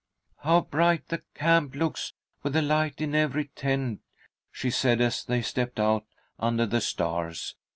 "How bright the camp looks with a light in every tent," she said, as they stepped out under the stars.